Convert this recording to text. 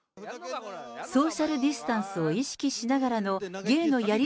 ソーシャルディスタンスを意識しながらの芸のやり